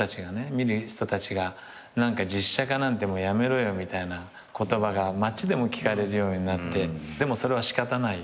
見る人たちが実写化なんてやめろよみたいな言葉が街でも聞かれるようになってでもそれは仕方ない。